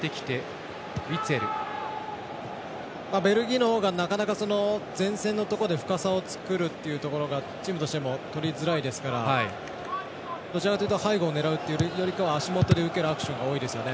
ベルギーのほうがなかなか前線のところで深さを作るっていうところがチームとしてもとりづらいですからどちらかというと背後を狙うよりかは足元で受けるアクションが多いですよね。